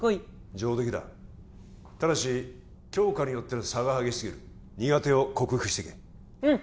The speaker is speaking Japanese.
上出来だただし教科によっての差が激しすぎる苦手を克服していけうん